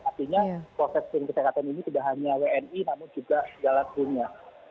artinya proses screen kesehatan ini tidak hanya wni namun juga segala timnya